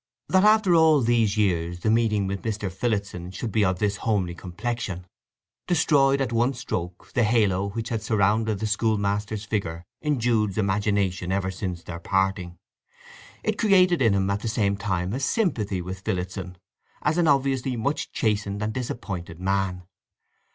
That after all these years the meeting with Mr. Phillotson should be of this homely complexion destroyed at one stroke the halo which had surrounded the school master's figure in Jude's imagination ever since their parting. It created in him at the same time a sympathy with Phillotson as an obviously much chastened and disappointed man.